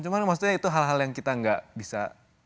cuma maksudnya itu hal hal yang kita nggak bisa